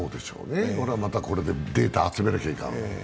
これはまたこれでデータ集めなきゃらなん。